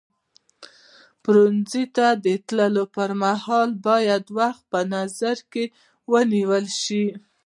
پلورنځي ته د تللو پر مهال باید وخت په نظر کې ونیول شي.